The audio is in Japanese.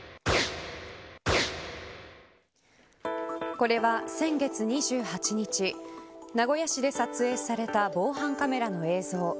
これは先月２８日名古屋市で撮影された防犯カメラの映像。